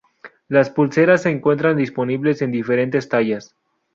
Las pulseras se encuentran disponibles en diferentes tallas.